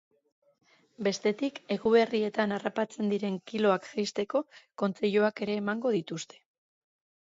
Bestetik eguberrietan harrapatzen diren kiloak jeisteko kontseiluak ere emango dituzte.